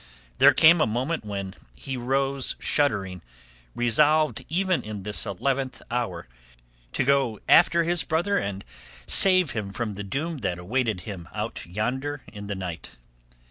There came a moment when he rose shuddering, resolved even in this eleventh hour to go after his brother and save him from the doom that awaited him out yonder in the night.